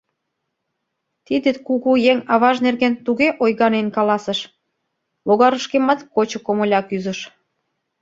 Тиде кугу еҥ аваж нерген туге ойганен каласыш — логарышкемат кочо комыля кӱзыш.